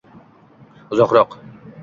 uzoqroq